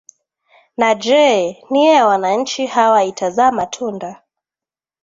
na je nia ya wananchi hawa itazaa matunda